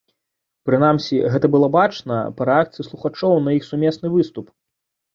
Прынамсі, гэта было бачна па рэакцыі слухачоў на іх сумесны выступ.